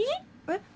えっ。